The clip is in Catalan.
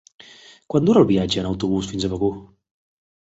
Quant dura el viatge en autobús fins a Begur?